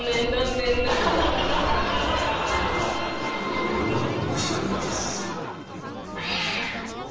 ［俺は面白いです］